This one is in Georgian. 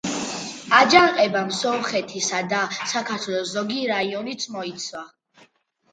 აჯანყებამ სომხეთისა და საქართველოს ზოგი რაიონიც მოიცვა.